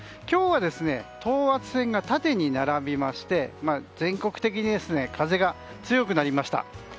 今日は等圧線が縦に並びまして全国的に風が強くなりました。